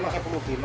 belum baru aja